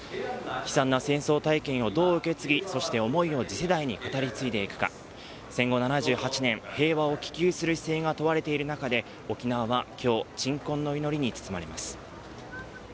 悲惨な戦争体験をどう受け継ぎ、そして思いを次世代に語り継いでいくか、戦後７８年平和を希求する姿勢が問われている中で、沖縄は今日、鎮魂の祈りに包まれます。